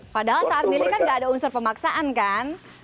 padahal saat milih kan gak ada unsur pemaksaan kan